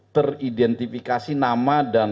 teridentifikasi nama di dalamnya